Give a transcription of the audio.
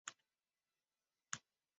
中国人民解放军空军上将。